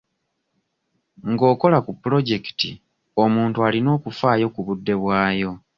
Ng'okola ku pulojekiti, omuntu alina okufaayo ku budde bwayo.